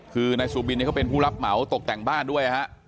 คือนายสุบินเขาเป็นผู้รับเหมาตกแต่งบ้านด้วยฮะ